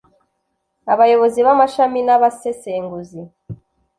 Abayobozi b amashami n abasesenguzi